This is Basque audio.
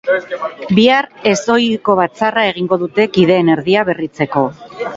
Bihar ez ohiko batzarra egingo dute kideen erdia berritzeko.